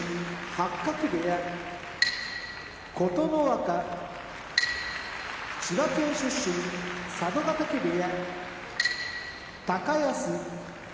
八角部屋琴ノ若千葉県出身佐渡ヶ嶽部屋高安